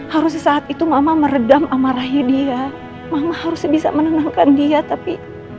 harusnya saat itu mama meredam amarahnya dia mama harusnya bisa menenangkan dia tapi